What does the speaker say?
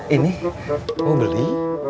ini mau beli